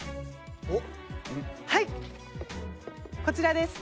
はいこちらです